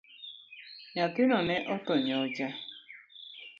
Nyathino ne otho nyocha